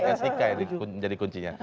eksikai jadi kuncinya